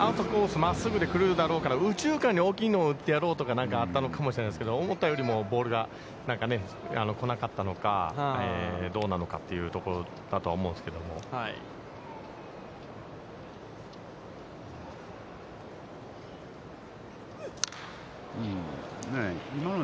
真っすぐで来るだろうから右中間に大きいのを打ってやろうとか、あったのかもしれませんけど、思ったよりもボールが来なかったのか、どうなのかというところだとは思うんですけれども。